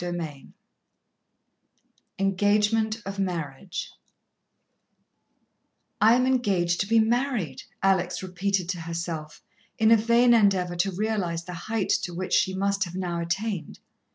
XI Engagement of Marriage "I am engaged to be married," Alex repeated to herself, in a vain endeavour to realize the height to which she must have now attained.